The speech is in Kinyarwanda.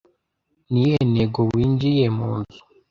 Ni iyihe ntego winjiye mu nzu?